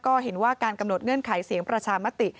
ก็เห็นว่าการกำหนดเงื่อนไขเสียงประชามติ